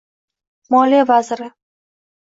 Moliya vaziri: